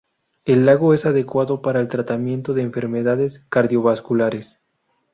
El lago es adecuado para el tratamiento de enfermedades cardiovasculares.